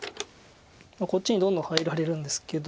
こっちにどんどん入られるんですけど。